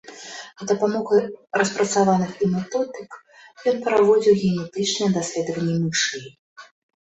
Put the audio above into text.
З дапамогай распрацаваных ім методык ён праводзіў генетычныя даследаванні мышэй.